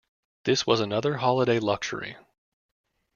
This was another holiday luxury.